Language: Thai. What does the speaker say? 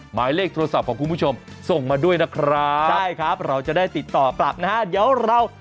หมายเลขโทรศัพท์ของคุณผู้ชมส่งมาด้วยนะครับใช่ครับเราจะได้ติดต่อกลับนะฮะเดี๋ยวเรา